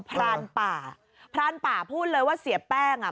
พรานป่าพรานป่าพูดเลยว่าเสียแป้งอ่ะ